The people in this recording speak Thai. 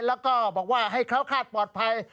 แล้วก็บอกว่าให้เขาคาดปลอดภัย